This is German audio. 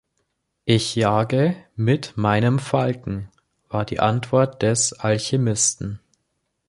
„Ich jage mit meinem Falken“, war die Antwort des Alchemisten.